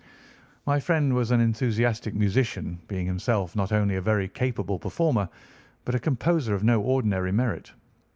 My friend was an enthusiastic musician, being himself not only a very capable performer but a composer of no ordinary merit.